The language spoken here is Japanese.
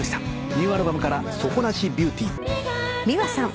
ニューアルバムから『底無しビューティー』ｍｉｗａさん。